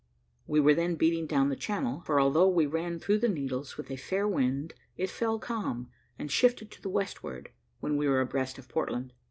We were then beating down the Channel; for, although we ran through the Needles with a fair wind, it fell calm, and shifted to the westward, when we were abreast of Portland.